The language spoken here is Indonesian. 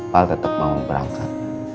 pak al tetap mau berangkat